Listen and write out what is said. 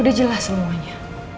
udah jelas semuanya